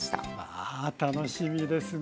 あ楽しみですね。